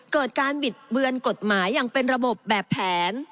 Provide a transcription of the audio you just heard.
เกิดการบิดเบือนกฎหมายอย่างเป็นระบบแบบแผน